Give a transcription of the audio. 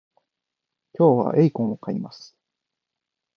今日はエイコンを買います